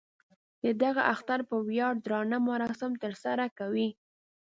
د دغه اختر په ویاړ درانه مراسم تر سره کوي.